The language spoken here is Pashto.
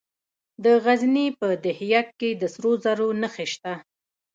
د غزني په ده یک کې د سرو زرو نښې شته.